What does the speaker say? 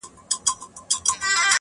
خیال او فکر دواړه یې پاللي دي